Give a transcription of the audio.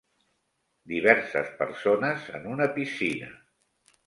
Diverses persones en una piscina.